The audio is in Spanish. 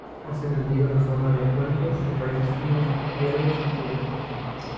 Hacen el nido en forma de cuenco, con raíces finas, hierbas y fibras.